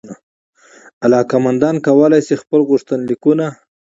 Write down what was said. علاقمندان کولای سي خپل غوښتنلیکونه